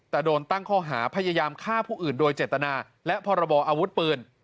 แต่โดนตั้งข้อหาพยายามฆ่าผู้อื่นโดยเจตนาและพรบออาวุธปืน